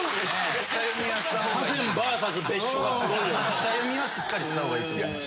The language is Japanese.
下読みはしっかりした方がいいと思いますよ！